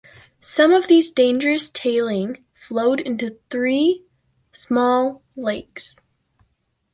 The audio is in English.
Some of these dangerous tailing flowed into three small lakes.